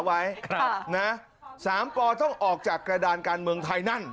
ว่าสามป่อต้องออกจากกระดานการเมืองไทยนั่น